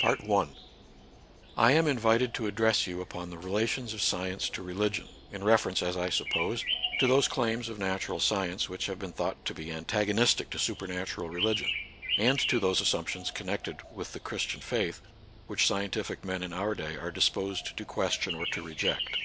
T AM invited to address you upon the rela tions of science to religion, — in reference, as I suppose, to those claims of natural science which have been thought to be antagonistic to supernatural religion, and to those assumptions connected with the Christian faith which scien tific men in our day are disposed to question or to reject.